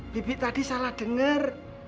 bibi tadi salah denger